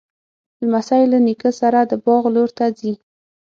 لمسی له نیکه سره د باغ لور ته ځي.